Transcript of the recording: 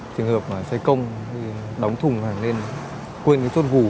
trường hợp xe công đóng thùng hàng lên quên cái chốt vù này